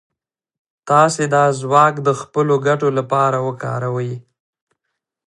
تاسې دا ځواک د خپلو ګټو لپاره وکاروئ.